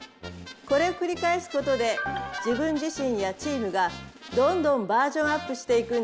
これをくり返すことで自分自身やチームがどんどんバージョンアップしていくんです。